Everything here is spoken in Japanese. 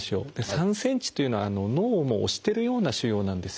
３ｃｍというのは脳をもう押してるような腫瘍なんですね。